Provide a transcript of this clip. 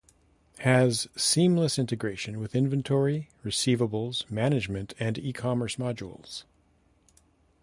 Has seamless integration with Inventory, Receivables Management and eCommerce modules.